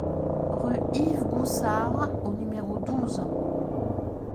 Rue Yves Goussard au numéro douze